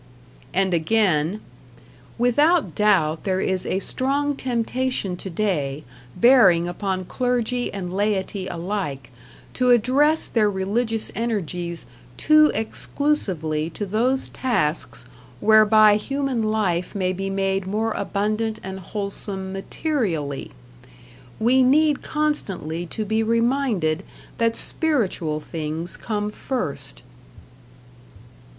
And again: Without doubt there is a strong temptation today, bearing upon clergy and laity alike, to address their religious energies too exclusively to those tasks whereby human life may be made more abundant and wholesome materially.... We need constantly to be reminded that spiritual things come first.